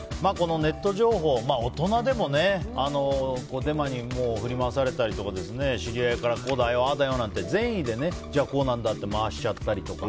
ネット情報、大人でもデマに振り回されたりとか知り合いからこうだよ、ああだよなんて善意でこうなんだって回しちゃったりとか。